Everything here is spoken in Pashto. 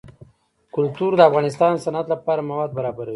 کلتور د افغانستان د صنعت لپاره مواد برابروي.